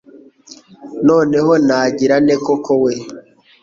Noneho ntangira nte koko we